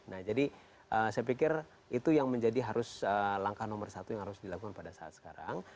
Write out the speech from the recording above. nah jadi saya pikir itu yang menjadi harus langkah nomor satu yang harus dilakukan pada saat sekarang